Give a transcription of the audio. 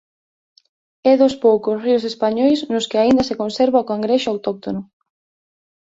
É dos poucos ríos españois nos que aínda se conserva o cangrexo autóctono.